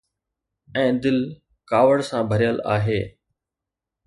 ۽ دل ڪاوڙ سان ڀريل آهي.